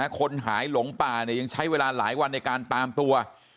คนหายหลงป่ายังใช้เวลาหลายวันในการตามตัว